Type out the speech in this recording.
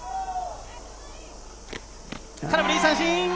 空振り三振。